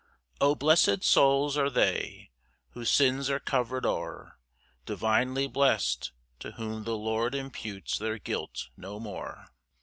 1 O blessed souls are they Whose sins are cover'd o'er! Divinely blest, to whom the Lord imputes their guilt no more.